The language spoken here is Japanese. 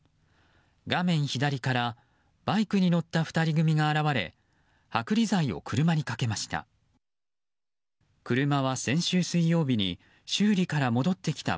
画面左からバイクに乗った２人組が現れ剥離剤を車にかけました。